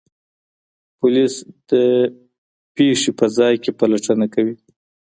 پولیس د پېښې په ځای کې پلټنه کوي.